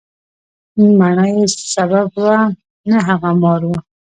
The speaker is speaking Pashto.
مڼه یې سبب وه، نه هغه مار و.